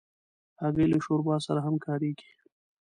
هګۍ له شوربا سره هم کارېږي.